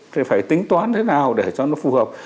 thì phải tính toán thế nào để cho nó phù hợp